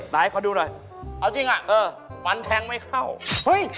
ไหนขอดูหน่อยเอาจริงอ่ะเออฟันแทงไม่เข้าเฮ้ย